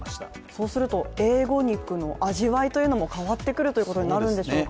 そうするとＡ５肉の味わいも変わってくるということになるんでしょうかね